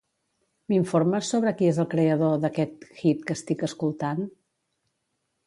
M'informes sobre qui és el creador d'aquest hit que estic escoltant?